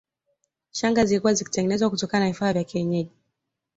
Shanga zilikuwa zikitengenezwa kutokana na vifaa vya kienyeji